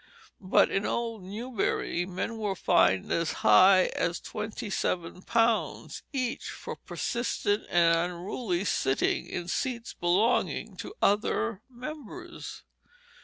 But in old Newbury men were fined as high as twenty seven pounds each for persistent and unruly sitting in seats belonging to other members.